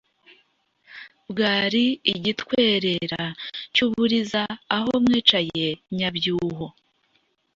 bwari igitwerera cy’u buriza aho mwiciye nyabyuho